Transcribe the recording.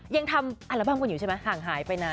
ยังทำอัลบั้มกันอยู่ใช่ไหมห่างหายไปนาน